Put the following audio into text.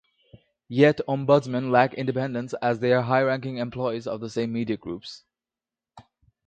Yet, ombudsmen lack independence, as they are high-ranking employees of the same media groups.